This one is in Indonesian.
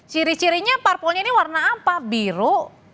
ciri cirinya parpolnya ini warna apa biru